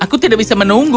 aku tidak bisa menunggu